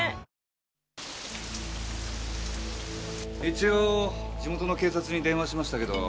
一応地元の警察に電話しました。